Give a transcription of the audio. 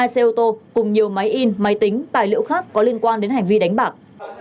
hai xe ô tô cùng nhiều máy in máy tính tài liệu khác có liên quan đến hành vi đánh bạc